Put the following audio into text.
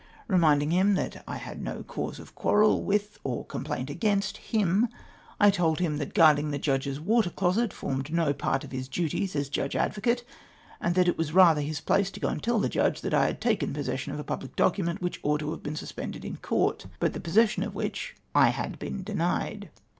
Eeminding him that I had no cause of quarrel with or complaint towards him, I told him that guard ing the Judge's water closet formed no part of his duties as Judge Advocate ; and that it was rather his place to go and tell the Judge that I had taken pos session of a pubhc docimieiit which ought to have been suspended in Court, but the possession of which I rOSSESS MYSELF OF THE COURT TABLE OF FEES. 171 had been denied.